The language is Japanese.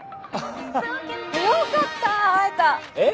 よかった会えた！え？